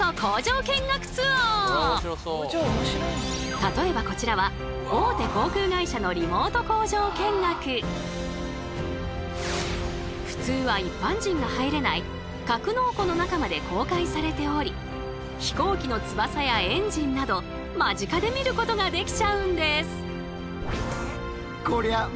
例えばこちらは普通は一般人が入れない格納庫の中まで公開されており飛行機の翼やエンジンなど間近で見ることができちゃうんです！